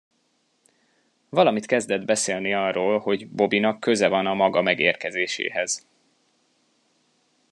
Valamit kezdett beszélni arról, hogy Bobbynak köze van a maga megérkezéséhez.